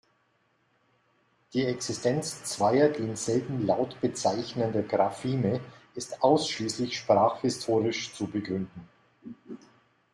Die Existenz zweier denselben Laut bezeichnender Grapheme ist ausschließlich sprachhistorisch zu begründen.